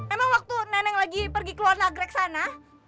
emang waktu nenek lagi pergi ke luar negeri kesana